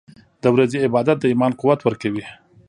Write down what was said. • د ورځې عبادت د ایمان قوت ورکوي.